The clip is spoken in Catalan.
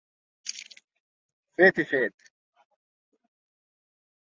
Fet i fet.